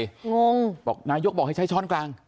งงบอกนายกบอกให้ใช้ช้อนกลาง